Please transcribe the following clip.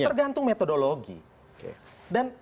tergantung metodologi dan